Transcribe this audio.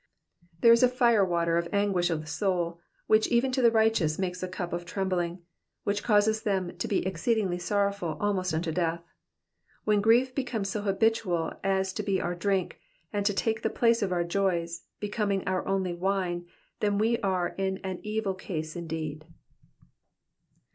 There is a fire water of anguish of soul which even to the righteous makes a cup of trembling, which causes them to be exceeding sorrowful almost unto death. When grief becomes so habitual as to be our drink, and to take the place of our joys, becoming our only wine, then are we in an evil case indeed.